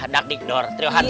dakdikdor trio hansip